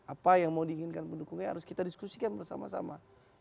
apa yang mau diinginkan pendukungnya harus kita diskusikan bersama sama